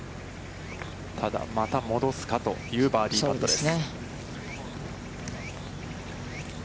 ただ、また戻すかというバーディーパットです。